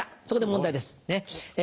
そこで問題です。